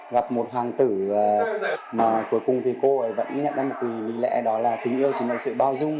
gặp một hoàng tử mà cuối cùng thì cô ấy vẫn nhận ra một quý lệ đó là tình yêu chỉ là sự bao dung